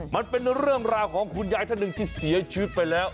มันเป็นเรื่องราวของคุณยายท่านหนึ่งที่เสียชีวิตไปแล้ว